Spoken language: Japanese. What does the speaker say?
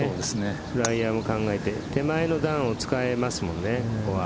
フライヤーも考えて手前の段も使えますもんね。